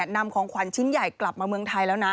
นำของขวัญชิ้นใหญ่กลับมาเมืองไทยแล้วนะ